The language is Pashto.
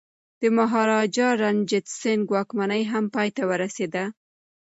د مهاراجا رنجیت سنګ واکمني هم پای ته ورسیده.